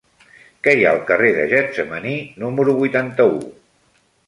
Què hi ha al carrer de Getsemaní número vuitanta-u?